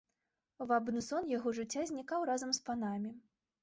Вабны сон яго жыцця знікаў разам з панамі.